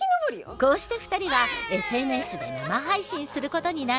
こうして二人はＳＮＳで生配信することになる。